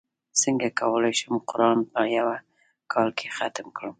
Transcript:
څنګه کولی شم قران په یوه کال کې ختم کړم